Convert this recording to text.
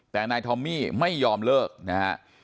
แต่นายทอมมี่ไม่ยอมเลิกนะฮะ